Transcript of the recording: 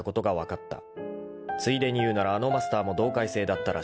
［ついでに言うならあのマスターも同回生だったらしい］